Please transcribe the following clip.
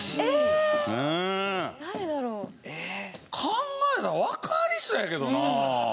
考えたらわかりそうやけどな。